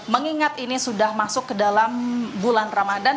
mengingat ini sudah masuk ke dalam bulan ramadan